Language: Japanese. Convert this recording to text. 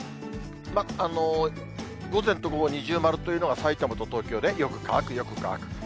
午前と午後、二重丸というのがさいたまと東京で、よく乾く、よく乾く。